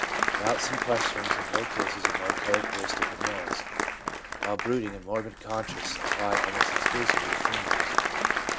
Doubts and questionings in both cases are more characteristics of males, while brooding and morbid conscience apply almost exclusively to females.